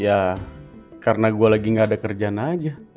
ya karena gue lagi gak ada kerjaan aja